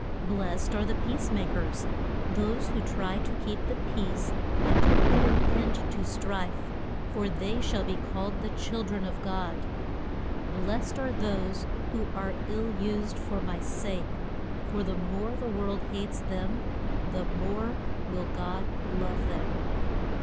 Blest are the peace ma kers those who try to keep the peace and to put an end to strife for they shall be called the chil dren of God. Blest are those who are ill used for my sake, for the more the world hates them the more will God love them.